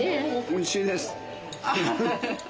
おいしいです。